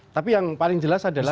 tapi yang paling jelas adalah